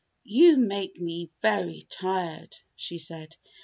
"You make me very tired," she said.